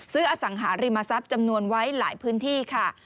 อสังหาริมทรัพย์จำนวนไว้หลายพื้นที่ค่ะ